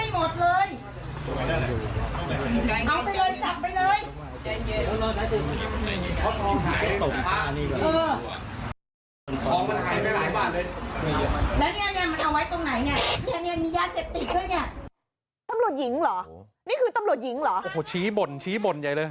ทุกทางน่าเหนื่อยทุกวันอะไรเนี่ยใจเงียนใจเงียนใจเงียน